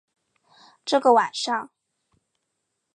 这个晚上